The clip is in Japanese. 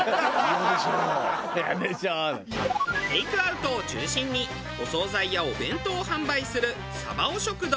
テイクアウトを中心にお総菜やお弁当を販売するサバヲ食堂。